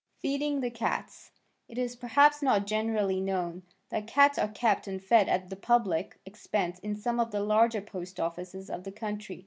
Feeding the Cats It is perhaps not generally known that cats are kept and fed at the public expense in some of the larger post offices of the country.